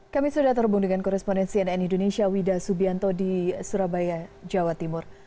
kami sudah terhubung dengan korespondensi nn indonesia wida subianto di surabaya jawa timur